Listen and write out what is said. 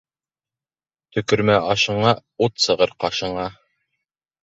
Төкөрмә ашыңа: ут сығыр ҡашыңа.